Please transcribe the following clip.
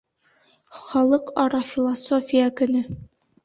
— Халыҡ-ара философия көнө